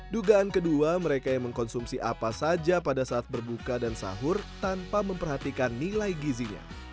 dugaan kedua mereka yang mengkonsumsi apa saja pada saat berbuka dan sahur tanpa memperhatikan nilai gizinya